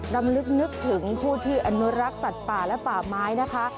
รำลึกนึกถึงผู้ที่อนุรักษ์สัตว์ป่าและป่าไม้นะคะ